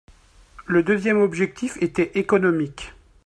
Le deuxième objectif était économique.